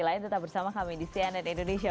lain tetap bersama kami di cnn indonesia